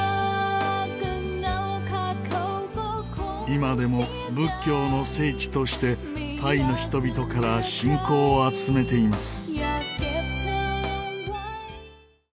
今でも仏教の聖地としてタイの人々から信仰を集めています。